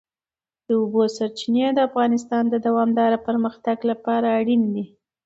د اوبو سرچینې د افغانستان د دوامداره پرمختګ لپاره اړین دي.